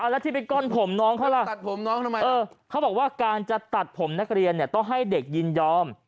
แล้วที่ไปก้อนผมน้องเขาล่ะเขาบอกว่าการจะตัดผมนักเรียนเนี่ยต้องให้เด็กยินยอม